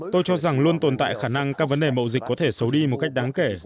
tôi cho rằng luôn tồn tại khả năng các vấn đề mậu dịch có thể xấu đi một cách đáng kể